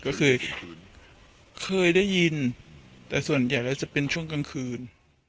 ก็เคยเคยได้ยินแต่ส่วนใหญ่แล้วจะเป็นช่วงกลางคืน